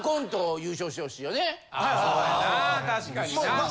あ確かにな。